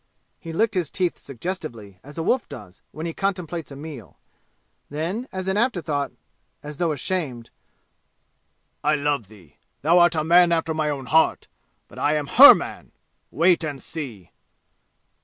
He licked his teeth suggestively, as a wolf does when he contemplates a meal. Then, as an afterthought, as though ashamed, "I love thee! Thou art a man after my own heart! But I am her man! Wait and see!"